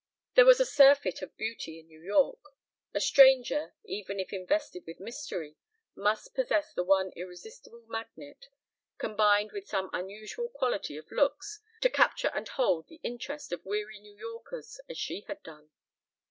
There was a surfeit of beauty in New York. A stranger, even if invested with mystery, must possess the one irresistible magnet, combined with some unusual quality of looks, to capture and hold the interest of weary New Yorkers as she had done.